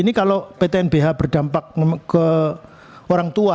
ini kalau ptnbh berdampak ke orang tua